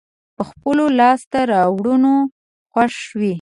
په خپلو لاسته راوړنو خوښ وي.